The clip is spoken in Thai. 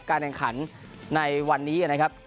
การแข่งขันในวันนี้นะครับ